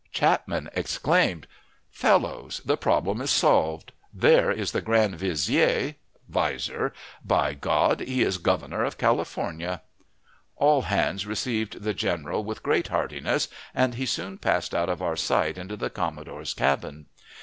Chapman exclaimed: "Fellows, the problem is solved; there is the grand vizier (visor) by G d! He is Governor of California." All hands received the general with great heartiness, and he soon passed out of our sight into the commodore's cabin.